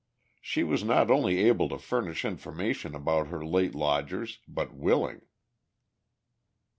She was not only able to furnish information about her late lodgers, but willing.